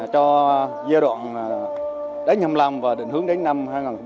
cho giai đoạn đến năm mươi năm và định hướng đến năm hai nghìn ba mươi